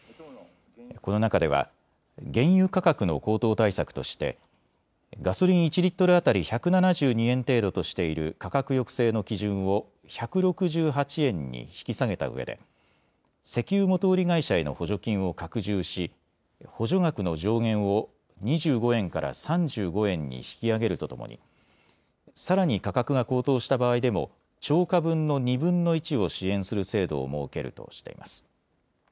この中では原油価格の高騰対策としてガソリン１リットル当たり１７２円程度としている価格抑制の基準を１６８円に引き下げたうえで石油元売り会社への補助金を拡充し補助額の上限を２５円から３５円に引き上げるとともにさらに価格が高騰した場合でも超過分の２分の１を支援する制度を設けるとしています。